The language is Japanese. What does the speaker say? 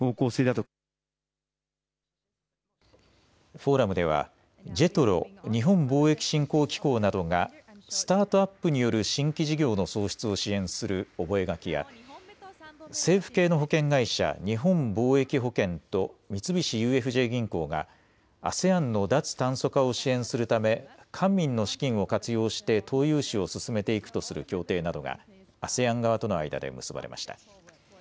フォーラムではＪＥＴＲＯ・日本貿易振興機構などがスタートアップによる新規事業の創出を支援する覚え書きや政府系の保険会社、日本貿易保険と三菱ＵＦＪ銀行がＡＳＥＡＮの脱炭素化を支援するため官民の資金を活用して投融資を進めていくとする協定などがＡＳＥＡＮ側との間で結ばれました。